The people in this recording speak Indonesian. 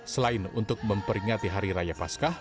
selain untuk memperingati hari raya paskah